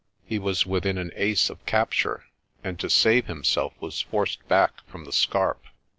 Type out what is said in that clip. He was within an ace of capture, and to save himself was forced back from the scarp.